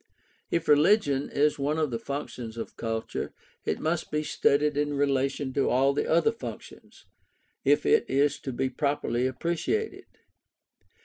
If religion is one of the functions of culture, it must be studied in relation to all the other functions, if it is to be properly appreciated.